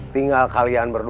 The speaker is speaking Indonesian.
tinggal kalian berdua